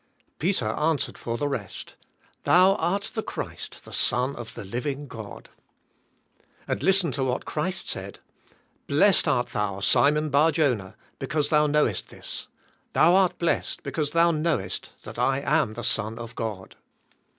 Peter answered for the rest, '' Thou art the Christ, the Son of the living God." And listen to what Christ said, *' Blessed art thou, Simon Barjona, because thou knowest this. Thou art blessed because thou knowest that I am the Son of God.